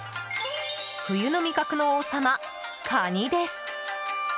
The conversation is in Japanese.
冬の味覚の王様、カニです。